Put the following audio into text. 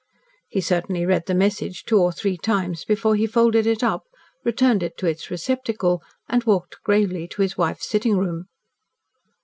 He certainly read the message two or three times before he folded it up, returned it to its receptacle, and walked gravely to his wife's sitting room.